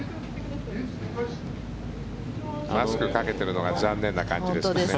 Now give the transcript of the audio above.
マスクかけているのが残念な感じですね。